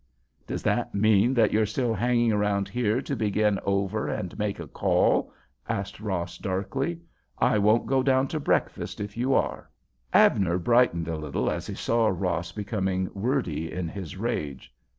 "Does that mean that you're still hanging around here to begin over and make a call?" asked Ross, darkly. "I won't go down to breakfast if you are." Abner brightened a little as he saw Ross becoming wordy in his rage.